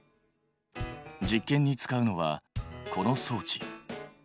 実験に使うのはこの装置。